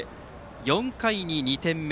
４回に２点目。